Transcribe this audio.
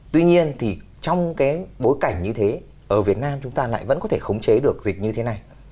tuy nhiên thì trong cái bối cảnh như thế ở việt nam chúng ta lại vẫn có thể khống chế được dịch như thế này